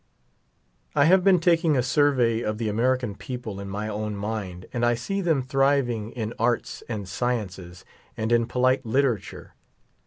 • I have been taking a survey of the American people in my own mind, and I see them thriving in arts, and scien ces, and in polite literature.